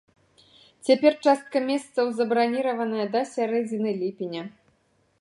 Цяпер частка месцаў забраніраваная да сярэдзіны ліпеня.